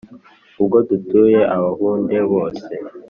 Ubwo duteye abahunde bose